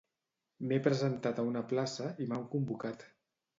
M'he presentat a una plaça i m'han convocat .